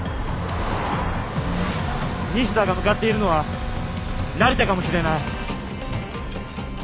西田が向かっているのは成田かもしれない。